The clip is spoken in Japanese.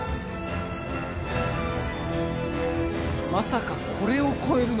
まさかこれを超えるのか？